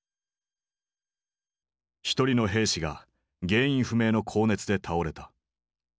１人の兵士が原因不明の高熱で倒れた。